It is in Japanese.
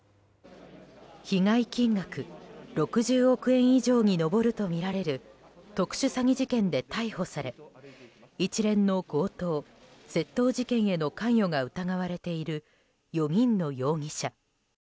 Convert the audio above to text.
被害金額６０億円以上に上るとみられる特殊詐欺事件で逮捕され一連の強盗・窃盗事件への関与が疑われている４人の容疑者。